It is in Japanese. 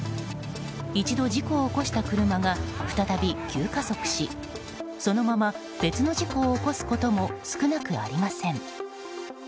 一度、事故を起こした車が再び急加速しそのまま別の事故を起こすことも少なくありません。